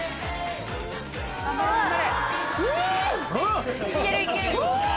頑張れ頑張れ！